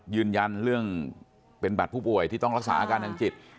ยืนยันเรื่องเป็นบัตรผู้ป่วยที่ต้องรักษาอาการทางจิต